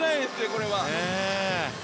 これは。